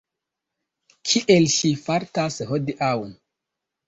Kiel ŝi fartas hodiaŭ?